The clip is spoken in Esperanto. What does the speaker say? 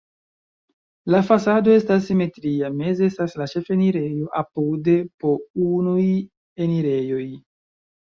La fasado estas simetria, meze estas la ĉefenirejo, apude po unuj enirejoj.